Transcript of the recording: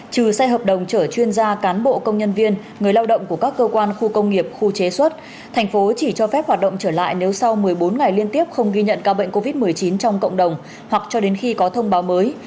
trừ xe hợp đồng chở chuyên gia cán bộ công nhân viên người lao động của các cơ quan khu công nghiệp khu chế xuất thành phố chỉ cho phép hoạt động trở lại nếu sau một mươi bốn ngày liên tiếp không ghi nhận ca bệnh covid một mươi chín trong cộng đồng hoặc cho đến khi có thông báo mới